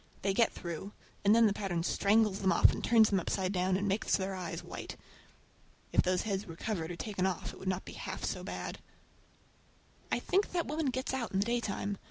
They get through, and then the pattern strangles them off and turns them upside down, and makes their eyes white! If those heads were covered or taken off it would not be half so bad. I think that woman gets out in the daytime!